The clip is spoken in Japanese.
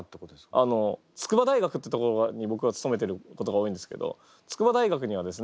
あの筑波大学ってところに僕は勤めてることが多いんですけど筑波大学にはですね